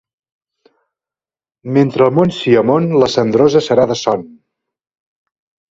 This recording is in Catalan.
Mentre el món sia món, la Cendrosa serà de Son.